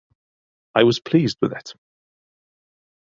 I was pleased with it.